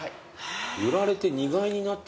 揺られて煮貝になってく。